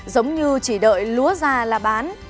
giống như chỉ đợi lúa ra là bán